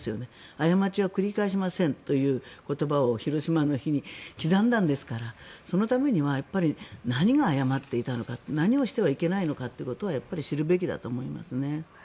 過ちは繰り返しませんという言葉を広島の碑に刻んだんですからそのためには何が誤っていたのか何をしてはいけないのかは知るべきだと思いますね。